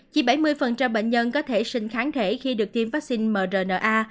chỉ bảy mươi bệnh nhân có thể sinh kháng thể khi được tiêm vaccine mrna